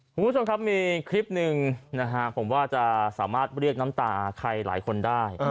คุณผู้ชมครับมีคลิปหนึ่งนะฮะผมว่าจะสามารถเรียกน้ำตาใครหลายคนได้